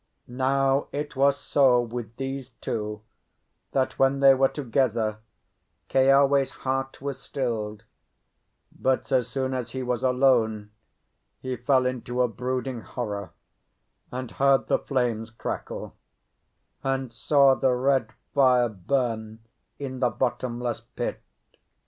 Now it was so with these two, that when they were together, Keawe's heart was stilled; but so soon as he was alone he fell into a brooding horror, and heard the flames crackle, and saw the red fire burn in the bottomless pit.